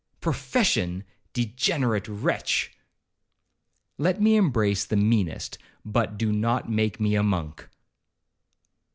'Profession! degenerate wretch!' 'Let me embrace the meanest, but do not make me a monk.'